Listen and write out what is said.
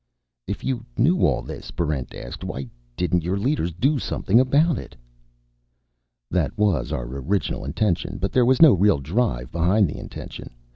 "If you knew all this," Barrent asked, "why didn't your leaders do something about it?" "That was our original intention. But there was no real drive behind the intention.